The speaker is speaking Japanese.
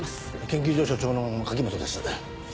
研究所所長の柿本です。